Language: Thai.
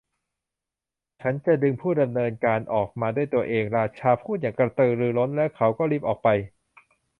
'ฉันจะดึงผู้ดำเนินการออกมาด้วยตัวเอง' ราชาพูดอย่างกระตือรือร้นและเขาก็รีบออกไป